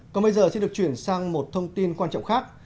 còn bây giờ xin được chuyển sang một thông tin quan trọng khác